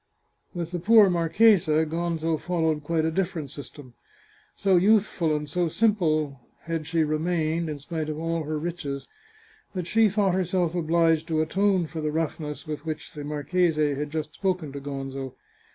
With the poor marchesa Gonzo followed quite a diflferent system. So youthful and so simple had she remained, in spite of all her riches, that she thought herself obliged to atone for the roughness with which the mar chese had just spoken to Gonzo.